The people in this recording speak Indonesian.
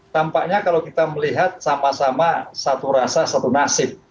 tampaknya kalau kita melihat sama sama satu rasa satu nasib